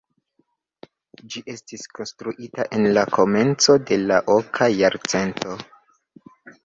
Ĝi estis konstruita en la komenco de la oka jarcento.